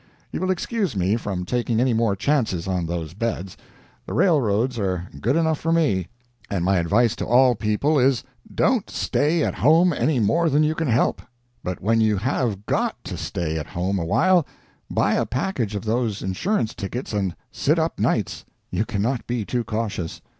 You will excuse me from taking any more chances on those beds. The railroads are good enough for me. And my advice to all people is, Don't stay at home any more than you can help; but when you have _got _to stay at home a while, buy a package of those insurance tickets and sit up nights. You cannot be too cautious.